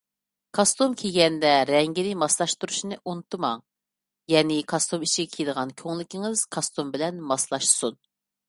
كاستۇم كىيگەندە رەڭگىنى ماسلاشتۇرۇشنى ئۇنتۇماڭ، يەنى كاستۇم ئىچىگە كىيىدىغان كۆڭلىكىڭىز كاستۇم بىلەن ماسلاشسۇن.